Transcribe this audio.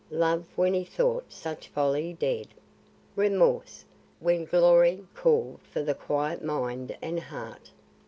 Love, when he thought such folly dead! Remorse, when Glory called for the quiet mind and heart!